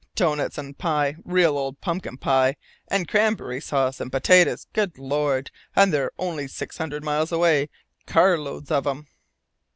Doughnuts an' pie real old pumpkin pie an' cranberry sauce, 'n' POTATOES! Good Lord, and they're only six hundred miles away, carloads of 'em!"